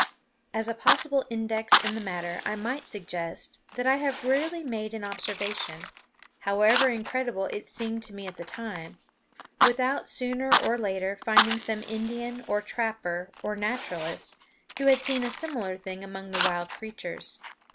As a possible index in the matter I might suggest that I have rarely made an observation, however incredible it seemed to me at the time, without sooner or later finding some Indian or trapper or naturalist who had seen a similar thing among the wild creatures.